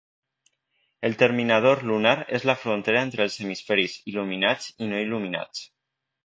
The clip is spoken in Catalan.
El terminador lunar és la frontera entre els hemisferis il·luminats i no il·luminats.